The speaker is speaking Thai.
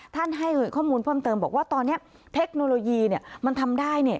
ท่านให้ข้อมูลเพิ่มเติมบอกว่าตอนนี้เทคโนโลยีมันทำได้